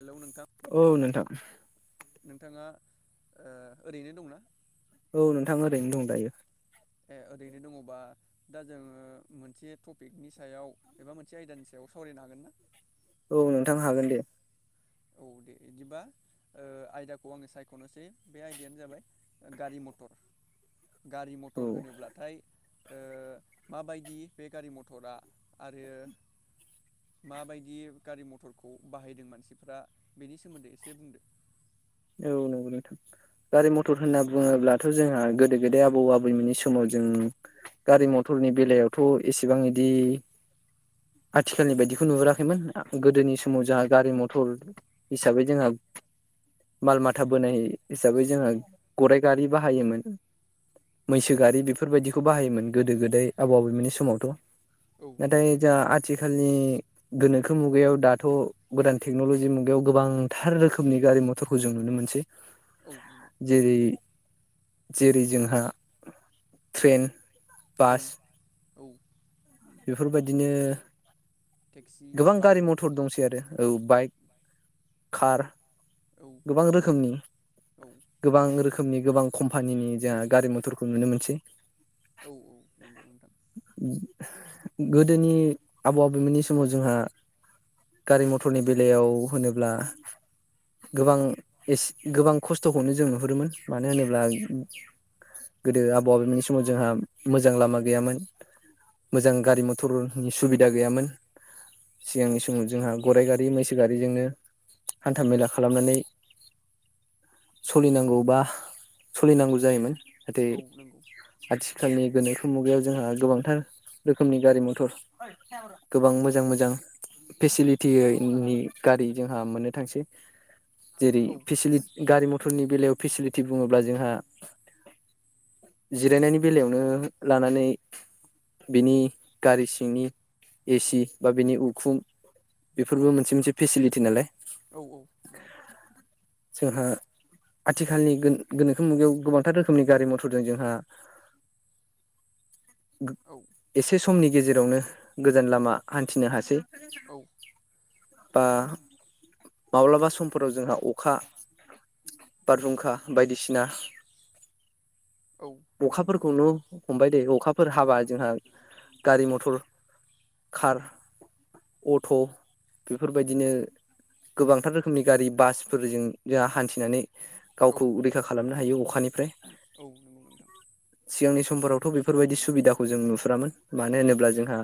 Hello नोंथां औ नोंथां नोंथाङा ओ ओरैनो दंना? औ नोंथां ओरैनो दं दायो ए ओरैनो दङबा दा जोङो मोनसे टपिकनि सायाव एबा मोनसे आयदानि सायाव सावरायनो हागोन ना? औ नोंथां हागोन दे। औ दे बिदिबा ओ आयदाखौ आङो सायख'नोसै बे आयदायानो जाबाय गारि मटर। गारि औ मथर होनोब्लाथाय ओ माबायदि बे गारि मटरा आरो माबायदि गारि मथरखौ बाहायदों मानसिफ्रा बेनि सोमोन्दै एसे बुंदो। औ नंगौ नोंथां गारि मथर होनना बुङोब्लाथ' जोंहा गोदो गोदाय आबौ आबैमोननि समाव जों गारि मथरनि बेलायावथ' एसेबां इदि आथिखालनि बायदिखौ नुहुराखैमोन गोदोनि समाव जोंहा गारि मथर हिसाबै जोंहा माल माथा बोनाय हिसाबै जोंङो गराइ गारि बाहायोमोन। औ मैसो गारि नंगौ बेफोरबायदिखौ बाहायोमोन। गोदो गोदाय आबौ आबैमोननि समावथ' औ नाथाय नंगौ दा आथि खालनि गोनोखो मुगायाव दाथ' गोदान टेक्न'लजि मुगायाव गोबांथार रोखोमनि गारि म टरखौ जों नुनो मोनसै। औ नंगौ जेरै जेरै जोंहा ट्रेन औ बास औ बेफोरबायदिनो टेक्सि गोबां गारि बाइक मथर दंसै आरो औ बाइक खार औ गोबां रोखोमनि औ गोबां रोखो खोमनि गोबां कम्पानिनि जोंहा गारि मथरखौ नुनो मोनसै। औ औ नंगौ नोंथां गोदोनि आबौ आबौमोननि स माव जोंहा गारि मथरनि बेलायाव होनोब्ला गोबां एसे गोबां खस्थ'खौनो जों नुहुरोमोन मानो होनोब्ला गोदो आबौ आबौमोननि समाव जोंहा मोजां लामा गैयामोन मोजां गारि मथरनि सुबिदा गैयामोन। सिगांनि समाव जोंहा गराइ गारि मैसो गारिजोंनो हान्था मेला खालामनानै सलिनांगौ बा सलिनांगौ जायोमोन। नाथाय औ नंगौ आथिखालनि गोनोखो मुगायाव जोंहा गोबांथार रोखोमनि गारि मथर गोबां मोजां मोजां फेसिलिटिनि गारि जोंहा मोननो थांसै। जेरै औ फेसिलि गारि मथ फोरनि बेलायाव फेसिलिटि बुङोब्ला जोंहा जिरायनायनि बेलायावनो लानानै बिनि गारि सिंनि एसि बा बिनि उखुम औ बेफोरबो मोनसे मोनसे फेसिलिटि नालाय। औ औ नंगौ जोंहा आथिखालनि गोनो-गोनोखो मुगायाव गोबांथार रोखोमनि गारि मटरजों जोंहा औ एसे समनि गेजेरावनो गोजान लामा हान्थिनो हासै। औ। बा माब्लाबा समफोराव जोंहा अखा बारहुंखा बायदिसिना औ नंगौ नोंथां अखाफोरखौनो हमबाय दे अखाफोर हाबा जोंहा गारि मटर कार अट' बेफोरबायदिनो गोबांथार रोखोमनि गारि बासफोरजों जोंहा हान्थिनानै औ गावखौ रैखा खालामनो हायो अखानिफ्राय। औ नोंगौ नोंथां। सिगांनि समफोरावथ' बेफोरबायदि सुबिदाखौ जों नुफुरामोन। मानो औ होनोब्ला जोंहा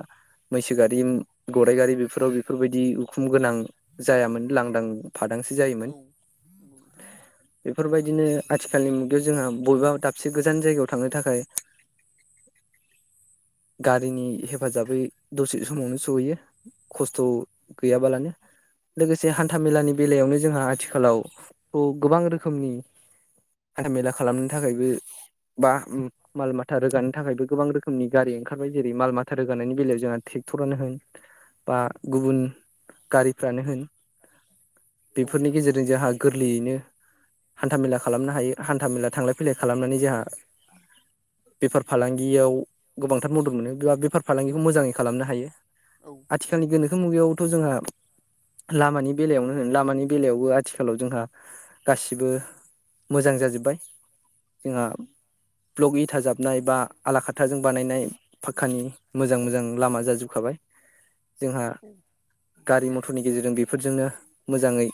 मैसो गारि गराइगारि बेफोराव बेफोरबायदि उखुम गोनां जायामोन लांदां फादांसो जायोमोन। औ नंगौ नोंथां बेफोरबायदिनो आथिखालनि मुगायाव जोंहा बबेबा दाबसे गोजान जायगायाव थांनो थाखाय गारिनि हेफाजाबै दसे समावनो सहैयो खस्थ' गैयाबालानो। लोगोसे हान्था मेलानि बेलायावनो जोंहा आथिखालाव थ' गोबां रोखोमनि हान्था मेला खालामनो थाखायबो बा माल माथा रोगानो थाखायबो गोबां रोखोमनि गारि ओंखारबाय। जेरै माल माथा रोगानायनि बेलायाव जोंहा ट्रेक्टरानो होन बा गुबुन गारिफ्रानो होन औ बेफोरनि गेजेरजों जोंहा गोरलैयैनो हान्था मेला खालामनो हायो। हान्था मेला थांलाय फैलाय खालामनानै जोंहा बेफार फालांगियाव गोबांथार मदद मोनो। बेबा बेफार फालांगिखौ मोजाङै खालामनो हायो। औ नंगौ नोंथां औ नंगौ आथिखालनि गोनोखो मुगायावथ' जोंहा लामानि बेलायावनो होनो लामानि बेलायावबो आथिखालाव जोंहा गासिबो मोजां जाजोब्बाय। जोंहा ब्लग इथा जाबनाय बा आला खाथाजों बानायनाय फाख्कानि मोजां मोजां लामा जाजोबखाबाय। जोंहा गारि मटरनि गेजेरजों बेफोरजोंनो मोजाङै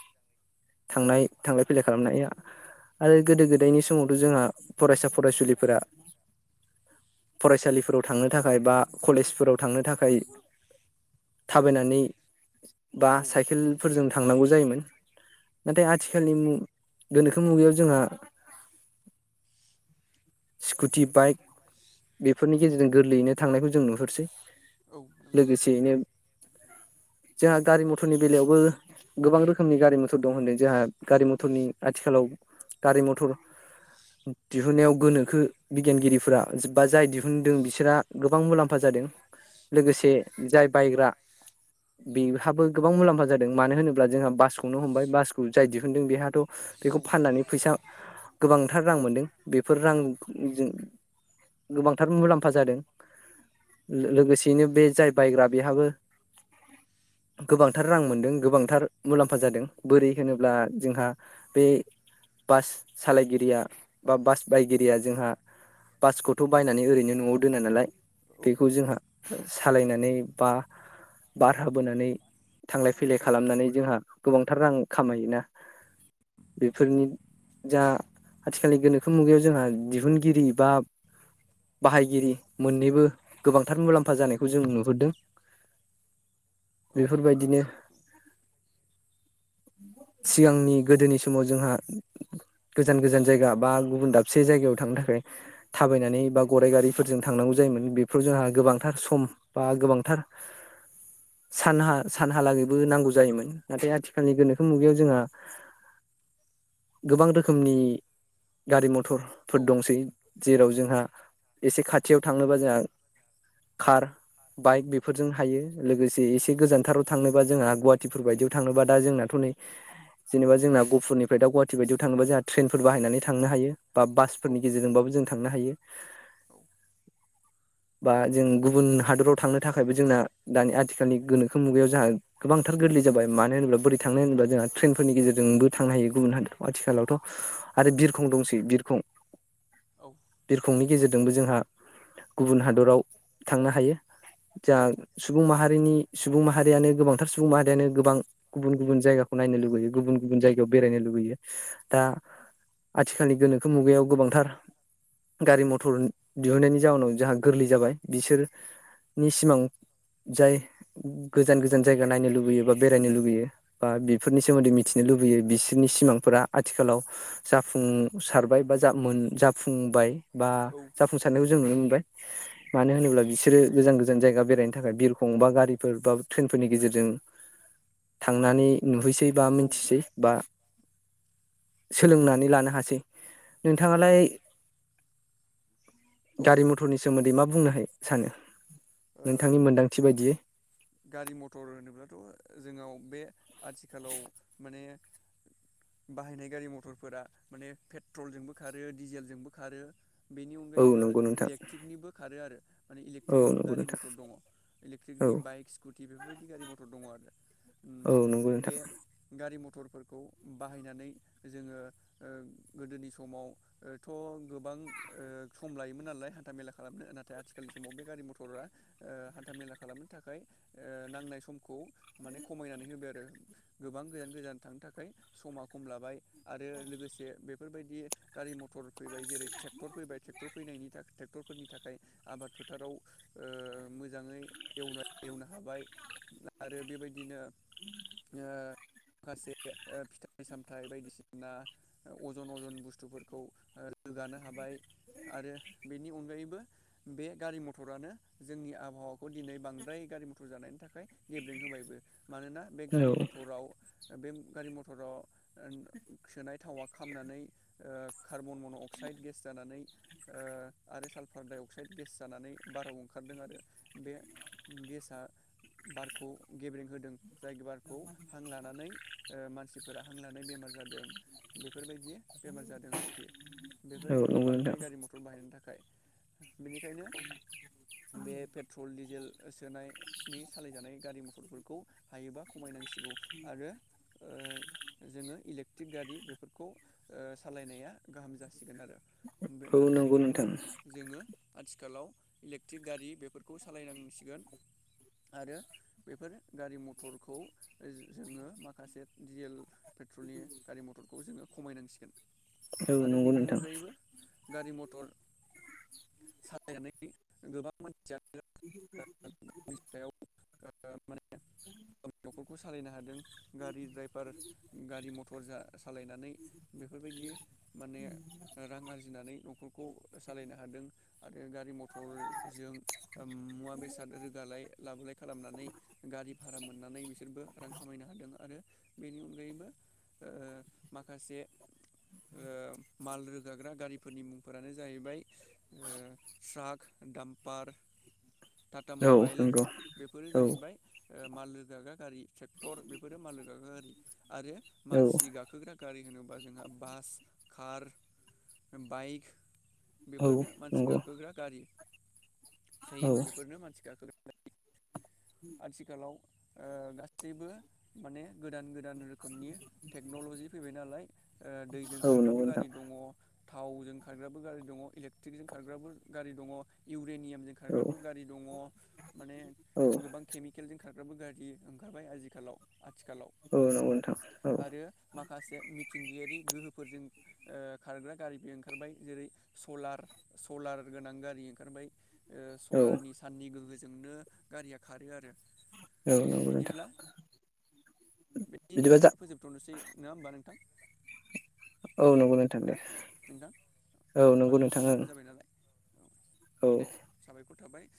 थांनाय थांलाय फैलाय खालामनाय हायो। आरो गोदो गोदायनि समावथ' जोंहा फरायसा फरायसुलिफोरा फरायसालिफोराव थांनो थाखाय बा कलेजफोराव थांनो थाखाय थाबायनानै बा औ नंगौ नोंथां औ साइकेलफोरजों थांनांगौ जायोमोन। नाथाय आथिखालनि मु गोनोखो मुगायाव जोंहा स्कुटि बाइक बेफोरनि गेजेरजों गोरलैयैनो थांनायखौ जों नुहुरसै। औ लोगोसेयैनो जोंहा गारि मटरनि बेलायावबो गोबां रोखोमनि गारि मटर दं होनदों जोंहा गारि मटरनि आथिखालाव गारि मटर दिहुन्नायाव गोनोखो बिगियानगिरिफोरा बा जाय दिहुनदों बिसोरहा गोबां मुलाम्फा जादों। औ लोगोसे जाय बायग्रा बेहाबो गोबां मुलाम्फा जादों। मानो होनोब्ला जोंहा बासखौनो हमबाय बासखौ जाय दिहुनदों बेहाथ' बेखौ फाननानै फैसा गोबांथार रां मोनदों बेफोर रांजों गोबांथार मुलाम्फा जादों। लोगोसेयैनो बे जाय बायग्रा बेहाबो गोबांथार रां मोनदों गोबांथार मुलाम्फा जादों बोरै होनोब्ला जोंहा बे बास सालायगिरिया बा बास बायगिरिया जोंहा बासखौथ' बायनानै ओरैनो न'आव दोनोनालाय। औ खौ जोंहा सालायनानै बा बार हाबोनानै थांलाय फैलाय खालामनानै जोंहा गोबांथार रां खामायोना बेफोरनि जा आथिखालनि गोनोखो मुगायाव जोंहा दिहुनगिरि बा बाहायगिरि मोननैबो गोबांथार मुलाम्फा जानायखौ जों नुहुरदों बेफोरबायदिनो सिगांनि गोदोनि समाव जोंहा गोजान गोजान जायगा बा गुबुन दाबसे जायगायाव थांनो थाखाय थाबायनानै बा गराइ गारिफोरजों थांनांगौ जायोमोन बे सव जोंहा गोबांथार सम बा गोबांथार सानहा सानहालागैबो नांगौ जायोमोन नाथाय आथिखालनि गोनोखो मुगायाव जोंहा गोबां रोखोमनि गारि मथर डक्टरफोर दंसै जेराव जोंहा एसे खाथियाव थांनोबा जोंहा कार बाइक बेफोरजों हायो लोगोसे जे एसे गोजानथाराव थांनोबा जोंहा गुवाहाटिफोर बायदियाव थांनोबा दा जोंनाथ' नै जेनेबा जोंना गुफुरनिफ्राय दा गुवाहाटि बायदियाव थांनोबा जोंहा ट्रेनफोर बाहायनानै थांनो हायो। बा बासफोरनि गेजेरजोंबाबो जों थांनो हायो। बा जों गुबुन हादोराव थांनो थाखायबो जोंना दानि आथिखालनि गोनोखो मुगायाव जोंहा गोबांथार गोरलै जाबाय मानो होनोब्ला बोरै थांनो होनोब्ला जोंहा ट्रेनफोरनि गेजेरजोंबो थांनो हायो गुबुन हादराव आथिखालावथ' आरो बिरखं दंसै बिरखं बिरखंनि गेजेरजों जों जोंहा गुबुन हादराव थांनो हायो। जा औ सुबुं माहारिनि सुबुं माहारियानो गोबांथार सुबुं माहारियानो गोबां गुबुन गुबुन जायगाखौ नायनो लुगैयो गुबुन गुबुन जायगायाव बेरायनो लुगैयो दा आथिखालनि गोनोखो मुगायाव गोबांथार गारि मथर दिहुननायनि जाउनाव जोंहा गोरलै जाबाय बिसोरनि सिमां जाय गोजान गोजान जायगा नायनो लुबैयो बा बेरायनो लुुबैयो बा बिफोरनि सोमोन्दै मिथिनो लुबैयो बिसोरनि सिमांफोरा आथिखालाव जाफुंसारबाय बा जा जाफुंबाय। बा औ जाफुंसारनायाव जों औ मानो होनोब्ला बिसोरो गोजान गोजान जायगा बेरायनो थाखाय बिरखं बा गारिफोर बा ट्रेनफोरनि गेजेरजों थांनानै नुहैसिग बा औ मिथिसै बा सोलोंनानै लानो हासै नोंथांङालाय औ गारि मथुर- सोमोन्दै मा बुंनो हायो सानो ओ नोंथांनि मोनदांथि बायदियै गारि मथर होनोब्लाथ' जोंनाव बे आथिखालाव माने बाहायनाय गारि मथरफोरा माने पेट्रलजोंबो खारो डिजेलजोंबो खारो बेनि औ अनगायैबो नंगौ नोंथां इलेक्ट्रिकनिबो खारो आरो माने औ इलेक्ट्रिकनिबो नंगौ गारि नोंथां मथर दंङ औ इलेकट्रिकनि बाइक्स स्कुटि बेफोरबायदि गारि मथर दंङ औ नंगौ आरो नोंथां बे गारि मथर मटरफोरखौ बाहायनानै जोंङो गोदोनि समावथ' गोबां सम लायोमोन नालाय हान्था मेला खालामनो नाथाय आथिखालनि समाव बे गारि मटरा हान्था मेला खालामनो थाखाय नांनाय समखौ माने खमायनानै होबाय आरो गोबां गोजान गोजान थांनो थाखाय समा खम लाबाय आरो लोगोसे बेफोरबायदि गारि मथर ट्रेन फैबाय जेरै ट्रेक्टर फैबाय ट्रेक्टर फैनायनि थाखाय ट्रेक्टरफोरनि नि थाखाय आबाद फोथाराव ओ मोजांङै एवनो एवनो हा हाबाय आरो बेबायदिनो माखासे फिथाइ सामाथाइ हाथाय बायदिसिना अजन अजन बुस्थुफोरखौ रोगानो हाबाय आरो बेनि अनगायैबो बे गारि मथरानो जोंनि आबहावाखौ दिनै बांद्राय गारि मथर जानायनि थाखाय गेब्रिं होबायबो मानोना बे औ गारि मथराव बे गारि मथराव ओं सोनाय थावा खामनानै ओ कार्बन मन' अक्साइड गेस जानानै ओ आरो साल्फार डाइ अक्साइद गेस जानानै बाराव ओंखारदों आरो बे गेसआ बारखौ गेब्रें होदों जाय बारखौ हां लानानै ओ मानसिफोरा हां लानाय बेमार जादों बेफोरबायदि बेमार जादों आरोखि औ बेफोरबायदि नंगौ बांद्राय नोंथां गारि म थर बाहायनायनि थाखाय बेनिखायनो बे पेट्रल डिजेल सोनाय नि सालायजानाय गारि मथरफोरखौ हायोबा खमायनांसिगौ आरो ओ जोङो इलेक्ट्रिक गारि बेफोरखौ ओ सालायनाया गाहाम जासिगोन आरो बे औ नंगौ बेनिखायनो नोंथां जोङो आथिखालाव इलेक्ट्रिक गारि बेफोरखौ सालायनांसिगोन आरो बेफोर गारि मथरखौ ओ‌ जोङो माखासे डिजेल पेट्रलनि गारि मथरखौ जोङो खमायनांसिगोन औ आरो नंगौ बेनि नोंथां अनगायैबो गारि मथर सालायनानै गोबां मानसियानो [inaudible] सायाव ओ माने गावनि न'खरखौ सालायनो हादों गारि ड्राइभार गारि मथर जा सालायनानै बेफोरबायदि माने ओ रां आरजिनानै न'खरखौ सालायनो हादों आरो गारि मथरजों ओ मुवा बेसाद रोगालाय। लाबोलाय खालामनानै गारि भारा मोननानै बिसोरबो रां खामायनो हादों आरो बेनि अनगायैबो ओ माखासे ओ माल रोगाग्रा गारिफोरनि मुंफोरानो जाहैबाय ओ ट्राक दामपार। टाटा औ मबाइल। नंगौ बेफोरो औ जाहैबाय ओ माल लोगा गा गारि थजक्टर बेफोरो माल लोगा गा गारि आरो औ मानसि गाखोग्रा गारि होनोबा जोंहा बास कार बाइक औ बेफोरनो मानसि नंगौ गाखोग्रा गारि औ ट्रेन बेफोरनो मानसि गाखोग्रा आथिखालाव ओ गासैबो माने गोदान गोदान रोखोमनि टेक्नलजि फैबाय नालाय ओ दैजों औ खारग्राबो नंगौ नोंथां गारि दङ थावजों खारग्राबो गारि दङ' इलेकट्रिकजों खारग्राबो गारि दङ' इउरेनियामजों औ खारग्राबो गारि दङ माने। औ गोबां केमिकेलजों खारग्राबो गारि ओंखारबाय आजिखालाव आथिखालाव औ नंगौ नोंथां औ आरो माखासे मिथिंगायारि गोहोफोरजों ओ खारग्रा गारिबो ओंखारबाय जेरै सलार सलार गोनां गारि ओंखारबाय ओ औ सलारनि साननि गोहोजोंनो गारिया खारो आरो औ नोंगौ नोंथां बिदिब्ला बे बिदिबा दिनो फोजोबथ'नोसै नोङा होमबा नोंथां? औ नंगौ नोंथां दे ना औ नोंथां नंगौ मानोना नोंथां ओं समाबो जाबाय औ नालाय दे साबायखर थाबाय